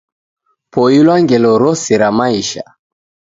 Poilwa ngelo rose ra maisha